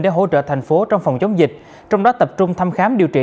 để hỗ trợ thành phố trong phòng chống dịch trong đó tập trung thăm khám điều trị